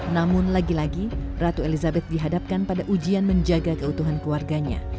namun lagi lagi ratu elizabeth dihadapkan pada ujian menjaga keutuhan keluarganya